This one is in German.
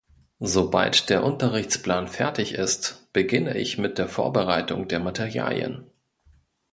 Sobald der Unterrichtsplan fertig ist, beginne ich mit der Vorbereitung der Materialien.